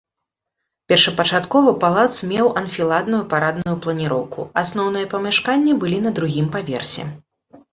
Першапачаткова палац меў анфіладную парадную планіроўку, асноўныя памяшканні былі на другім паверсе.